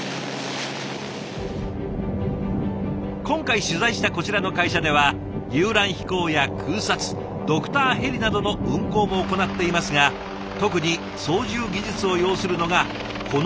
今回取材したこちらの会社では遊覧飛行や空撮ドクターヘリなどの運航も行っていますが特に操縦技術を要するのがこの物資輸送。